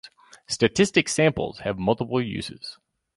Statistic samples have multiple uses.